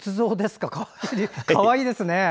かわいいですね。